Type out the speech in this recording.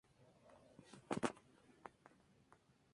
Son peces "reservados" que ocupan hábitats variados.